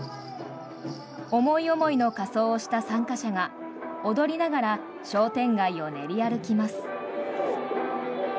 思い思いの仮装をした参加者が踊りながら商店街を練り歩きます。